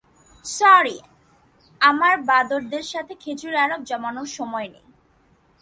Sorry, আমার বাঁদরদের সাথে খেঁজুরে আলাপ জমানোর সময় নেই।